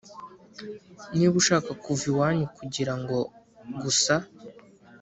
niba ushaka kuva iwanyu kugira ngo gusa